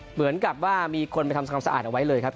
เหมือนกับว่ามีคนไปทำความสะอาดเอาไว้เลยครับ